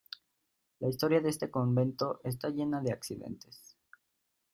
La historia de este convento está llena de accidentes.